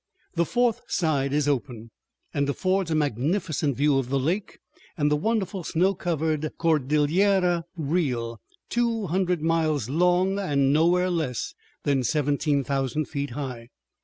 The fourth side is open and affords a magnificent view of the lake and the wonderful snow covered Cordillera Real, 200 miles long and nowhere less than 17,000 feet high.